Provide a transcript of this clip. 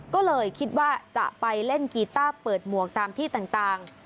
ก็เลยคิดว่าจะไปเล่นกีต้าเปิดหมวกตามที่ต่าง